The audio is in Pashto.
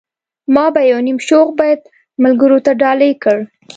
ما به يو نيم شوخ بيت ملګرو ته ډالۍ کړ.